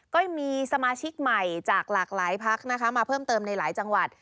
ก็มีสมาชิกใหม่จากหลากหลายพักนะคะมาเพิ่มเติมในหลายจังหวัด